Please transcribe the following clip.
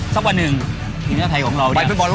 สักวันหนึ่งทีมชาวไทยของเราเนี่ย